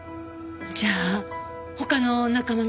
じゃあ他の仲間の誰かが？